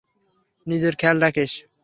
নিজের খেয়াল রাখিস।